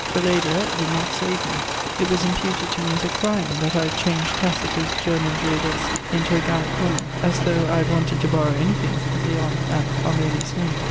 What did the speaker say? Velléda did not save me. It was imputed to me as a crime that I had changed Tacitus' German druidess into a Gallic woman, as though I had wanted to borrow anything beyond an harmonious name!